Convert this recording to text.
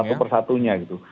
satu persatunya gitu